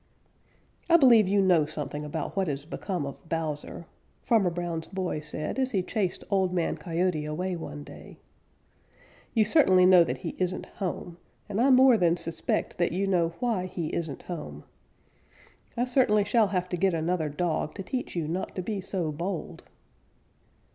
"I believe you know something about what has become of Bowser," Farmer Brown's boy said, as he chased Old Man Coyote away one day. "You certainly know that he isn't home, and I more than suspect that you know why he isn't home. I certainly shall have to get another dog to teach you not to be so bold."